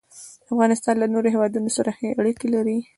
افغانستان له نورو هېوادونو سره ښې اړیکې لري.